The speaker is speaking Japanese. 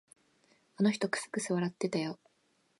あの人、くすくす笑ってたよ。